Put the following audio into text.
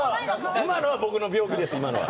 今のは僕の病気です、今のは。